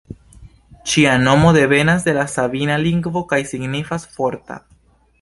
Ŝia nomo devenas de la sabina lingvo kaj signifas "forta".